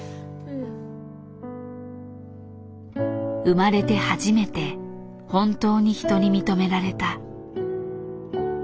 「生まれて初めて本当に人に認められた」。